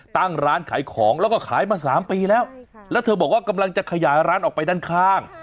ตั้งร้านขายของแล้วก็ขายมา๓ปีแล้วแล้วเธอบอกว่ากำลังจะขยายร้านออกไปด้านข้าง